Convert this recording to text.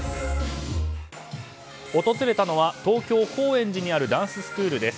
訪れたのは東京・高円寺にあるダンススクールです。